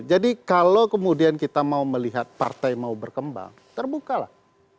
jadi kalau kemudian kita mau melihat partai mau berkembang terbuka lah